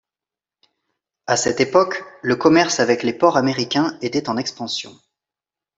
À cette époque, le commerce avec les ports américains était en expansion.